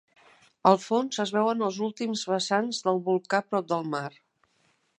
Al fons es veuen els últims vessants del volcà prop del mar.